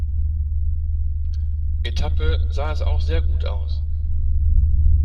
Etappe sah es auch sehr gut aus.